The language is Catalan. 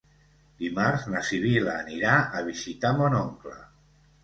Dimarts na Sibil·la anirà a visitar mon oncle.